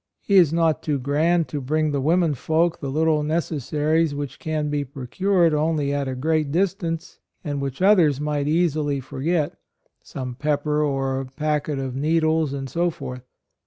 He is not too grand to bring the women folk the little necessaries which can be procured only at a great distance and which others might easily forget — some pepper or a packet of needles, and so forth.